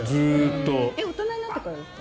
大人になってからですか？